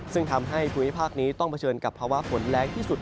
ซึ่งทำให้ภูมิภาคนี้ต้องเผชิญกับภาวะฝนแรงที่สุด